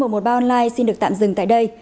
một trăm một mươi ba online xin được tạm dừng tại đây